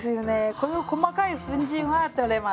この細かい粉じんは取れませんね。